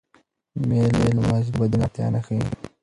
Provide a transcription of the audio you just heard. میل یوازې د بدن اړتیا نه ښيي.